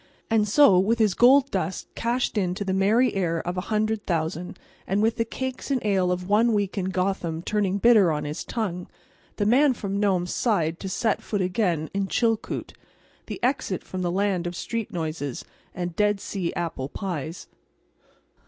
And so, with his gold dust cashed in to the merry air of a hundred thousand, and with the cakes and ale of one week in Gotham turning bitter on his tongue, the Man from Nome sighed to set foot again in Chilkoot, the exit from the land of street noises and Dead Sea apple pies.